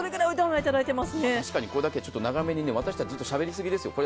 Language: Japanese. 確かにこれだけ長めに私たち、ずっとしゃべりすぎですよ。